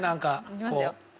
いきますよ。